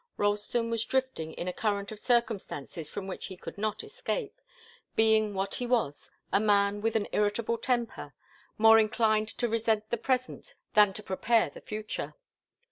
Ralston was drifting in a current of circumstances from which he could not escape, being what he was, a man with an irritable temper, more inclined to resent the present than to prepare the future.